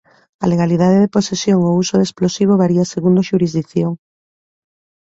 A legalidade de posesión ou uso de explosivo varía segundo a xurisdición.